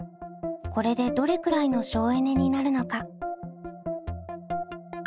これでどれくらいの省エネになるのか。